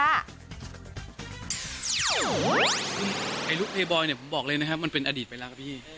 ไอ้ลูกเยบอยเนี่ยผมบอกเลยนะครับมันเป็นอดีตไปแล้วครับพี่